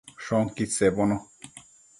Shoquid sebono